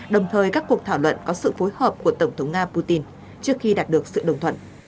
đồng thời các cuộc thảo luận có sự phối hợp của tổng thống nga putin trước khi đạt được sự đồng thuận